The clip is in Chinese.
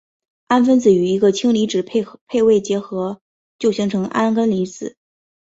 氨分子与一个氢离子配位结合就形成铵根离子。